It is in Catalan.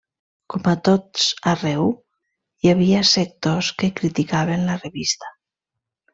Com a tots arreu, hi havia sectors que criticaven la revista.